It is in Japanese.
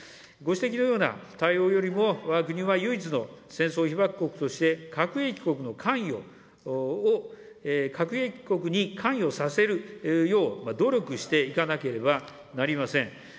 ご指摘のような対応よりも、わが国は唯一の戦争被爆国として、核兵器国の関与を、核兵器国に関与させるよう努力していかなければなりません。